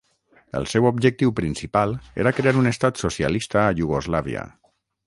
El seu objectiu principal era crear un estat Socialista a Iugoslàvia.